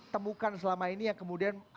temukan selama ini yang kemudian